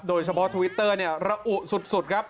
โดยเฉพาะทวิตเตอร์เนี่ยระอุสุดครับ